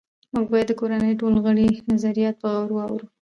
موږ باید د کورنۍ ټولو غړو نظریات په غور واورو